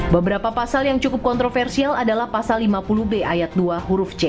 beberapa pasal yang cukup kontroversial adalah pasal lima puluh b ayat dua huruf c